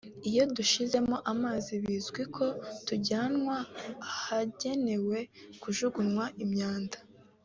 Iyo dushizemo amazi bizwi ko tujyanwa ahagenewe kujugunywa imyanda